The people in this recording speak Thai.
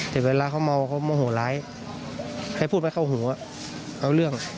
แต่เวลาเขาเมาเขาโมโหร้ายให้พูดไม่เข้าหูเอาเรื่อง